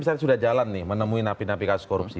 misalnya sudah jalan nih menemui napi napi kasus korupsi